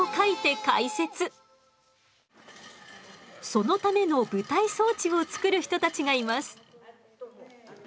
そのための舞台装置を作る人たちがいます。